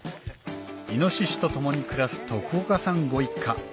猪と共に暮らす徳岡さんご一家